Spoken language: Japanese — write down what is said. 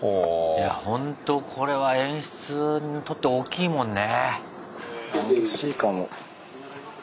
いやほんとこれは演出にとって大きいもんね。